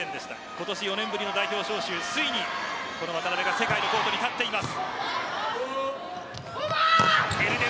今年４年ぶりの代表招集ついに世界の舞台に立っています。